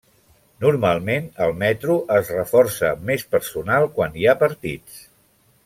Normalment el metro es reforça amb més personal quan hi ha partits.